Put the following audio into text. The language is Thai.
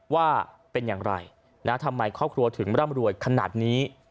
ว่าเป็นอย่างไรทำไมครอบครัวถึงร่ำรวยขนาดนี้